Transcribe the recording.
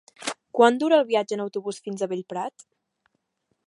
Quant dura el viatge en autobús fins a Bellprat?